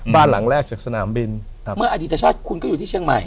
บ้านหลังแรกจากสนามบินเมื่ออดีตชาติคุณก็อยู่ที่เชียงใหม่